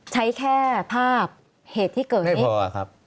ใช้แค่ภาพเหตุที่เกิดขึ้นพอครับ